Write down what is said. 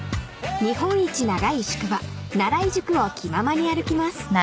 ［日本一長い宿場奈良井宿を気ままに歩きます］